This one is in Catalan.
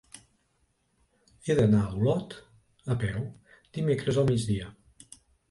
He d'anar a Olot a peu dimecres al migdia.